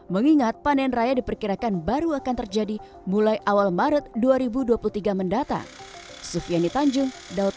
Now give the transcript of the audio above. mengingat panen raya diperkirakan baru akan terjadi mulai awal maret dua ribu dua puluh tiga mendatang